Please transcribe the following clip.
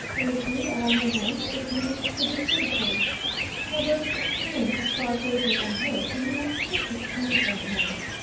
Rickie, at all events, refused to be critical: Herbert's experience was far greater than his, and he must take his tone from him.